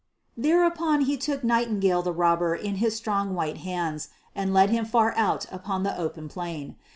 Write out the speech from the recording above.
Thereupon he took Nightingale the Robber in his strong white hands and led him far out upon the open plain.